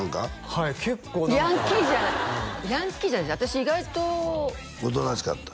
はい結構何かヤンキーじゃないヤンキーじゃない私意外とおとなしかった？